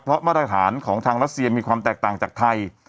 เพราะมาตรฐานของทางรัสเซียมีความแตกต่างจากไทย